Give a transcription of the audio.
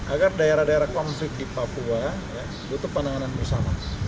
agar daerah daerah konflik di papua butuh penanganan bersama